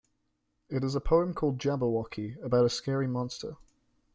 It is a poem called "Jabberwocky" about a scary monster.